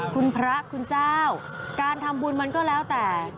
คุณพระคุณเจ้าการทำบุญมันก็แล้วแต่